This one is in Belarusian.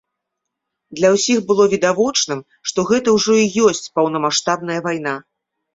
Для ўсіх было відавочным, што гэта ўжо і ёсць паўнамаштабная вайна.